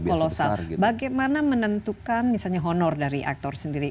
kolosal bagaimana menentukan misalnya honor dari aktor sendiri